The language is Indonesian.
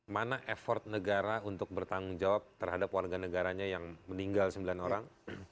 mana effort negara untuk bertanggung jawab terhadap warga negaranya yang meninggal sembilan orang